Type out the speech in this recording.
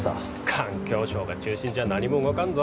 環境省が中心じゃ何も動かんぞ